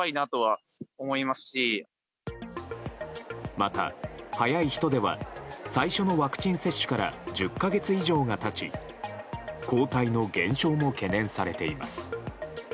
また早い人では最初のワクチン接種から１０か月以上が経ち抗体の減少も懸念されています。